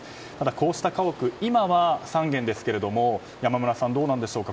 こうした家屋、今は３軒ですが山村さん、どうなんでしょうか。